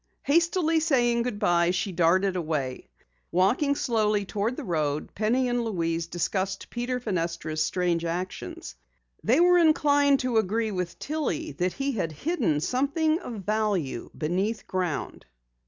Hastily saying good bye, she darted away. Walking slowly toward the road, Penny and Louise discussed Peter Fenestra's strange actions. They were inclined to agree with Tillie that he had hidden something of value beneath ground.